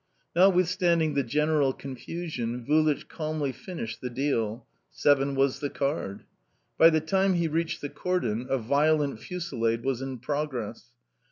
Notwithstanding the general confusion, Vulich calmly finished the deal seven was the card. By the time he reached the cordon a violent fusillade was in progress.